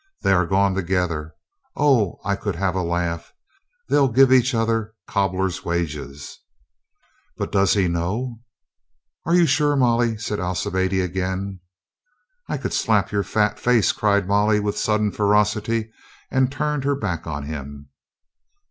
They are gone together. O, I could have a laugh. They'll give each other cobbler's wages. ... But, does he know?" "Are you sure, Molly?" said Alcibiade again. "I could slap your fat face," cried Molly with sudden ferocity, and turned her back on him.